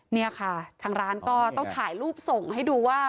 นี่ค่ะทางร้านก็ต้องถ่ายรูปส่งให้ดูว่า